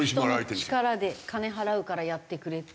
人の力で金払うからやってくれっていう。